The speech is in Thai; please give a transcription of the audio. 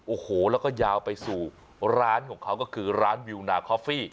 โอ้โหแล้วก็ยาวไปสู่ร้านของเขาก็คือร้านวิวนาคอฟฟี่